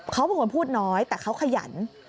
เขาเป็นคนพูดน้อยแต่เขาขยัน